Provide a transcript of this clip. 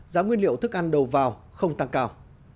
giá nguyên liệu thức ăn đầu vào không tăng cao